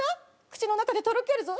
「口の中でとろけてるぞ！？」